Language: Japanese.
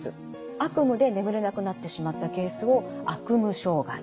悪夢で眠れなくなってしまったケースを悪夢障害。